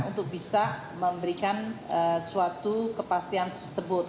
untuk bisa memberikan suatu kepastian tersebut